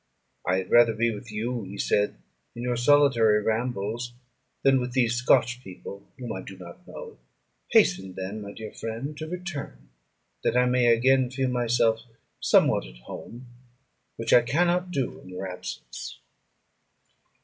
"I had rather be with you," he said, "in your solitary rambles, than with these Scotch people, whom I do not know: hasten then, my dear friend, to return, that I may again feel myself somewhat at home, which I cannot do in your absence."